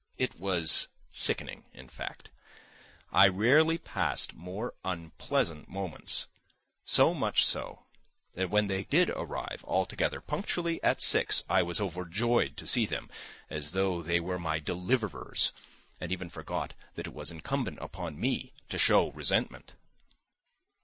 It was sickening, in fact. I rarely passed more unpleasant moments, so much so that when they did arrive all together punctually at six I was overjoyed to see them, as though they were my deliverers, and even forgot that it was incumbent upon me to show resentment.